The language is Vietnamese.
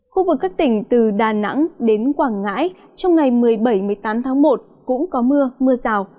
khu vực các tỉnh từ đà nẵng đến quảng ngãi trong ngày một mươi bảy một mươi tám tháng một cũng có mưa mưa rào